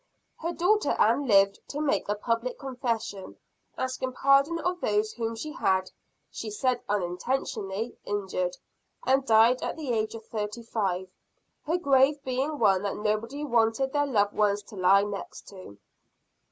Her daughter Ann lived to make a public confession, asking pardon of those whom she had (she said unintentionally) injured, and died at the age of thirty five her grave being one that nobody wanted their loved ones to lie next to.